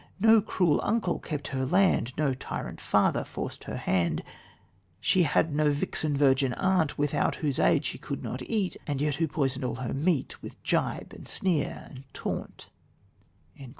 No cruel uncle kept her land, No tyrant father forced her hand; She had no vixen virgin aunt Without whose aid she could not eat And yet who poisoned all her meat With gibe and sneer and taunt."